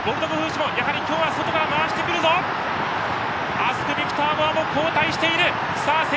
アスクビクターモア交代している！